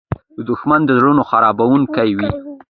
دښمن د زړونو خرابوونکی وي